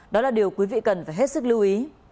đó là điều quý vị cần phải hết sức lưu ý